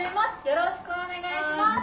よろしくお願いします。